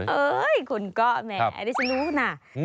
เอ้ยคุณก็แหมได้จะรู้นะ